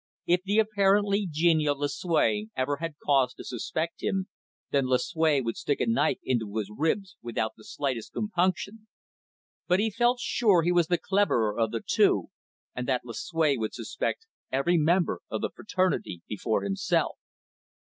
If the apparently genial Lucue ever had cause to suspect him, then Lucue would stick a knife into his ribs without the slightest compunction. But he felt sure he was the cleverer of the two, and that Lucue would suspect every member of the fraternity before himself.